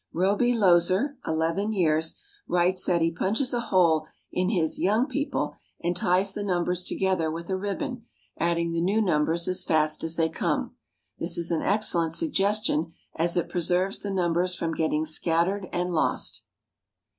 Robie Lozier (eleven years) writes that he punches a hole in his Young People, and ties the numbers together with a ribbon, adding the new numbers as fast as they come. This is an excellent suggestion, as it preserves the numbers from getting scattered and lost.